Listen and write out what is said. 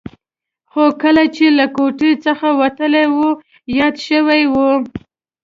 خو کله چې له کوټې څخه وتلی و یاد شوي یې و.